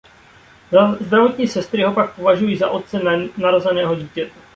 Zdravotní sestry ho pak považují za otce narozeného dítěte.